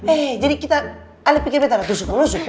eh jadi kita alia pikir betta gak tusuk menusuk